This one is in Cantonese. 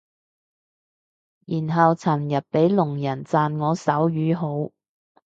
然後尋日俾聾人讚我手語好